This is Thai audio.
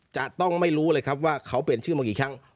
จะต้องไม่รู้เลยครับว่าเขาเปลี่ยนชื่อมากี่ครั้ง